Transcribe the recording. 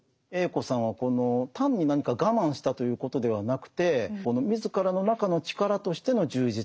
Ａ子さんはこの単に何か我慢したということではなくて自らの中の力としての充実